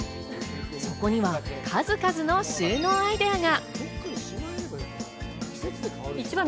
そこには数々の収納をアイデアが。